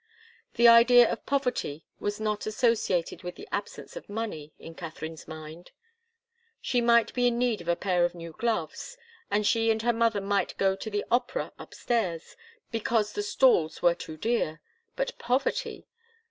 The idea of poverty was not associated with the absence of money in Katharine's mind. She might be in need of a pair of new gloves, and she and her mother might go to the opera upstairs, because the stalls were too dear. But poverty!